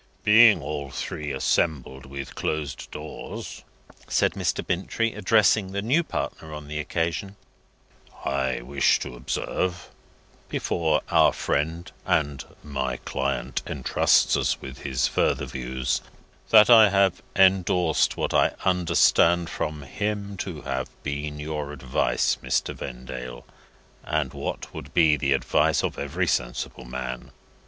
"Being all three assembled with closed doors," said Mr. Bintrey, addressing the new partner on the occasion, "I wish to observe, before our friend (and my client) entrusts us with his further views, that I have endorsed what I understand from him to have been your advice, Mr. Vendale, and what would be the advice of every sensible man.